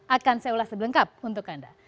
akan saya ulas lebih lengkap untuk anda